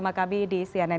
baik baik saja ya